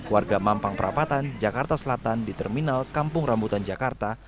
warga mampang perapatan jakarta selatan di terminal kampung rambutan jakarta